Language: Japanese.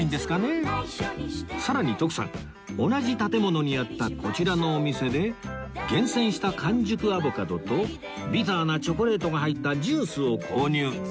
さらに徳さん同じ建物にあったこちらのお店で厳選した完熟アボカドとビターなチョコレートが入ったジュースを購入